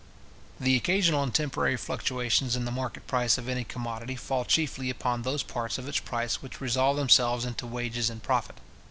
The occasional and temporary fluctuations in the market price of any commodity fall chiefly upon those parts of its price which resolve themselves into wages and profit.